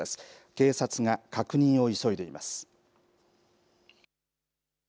警察が確認を急いでいます。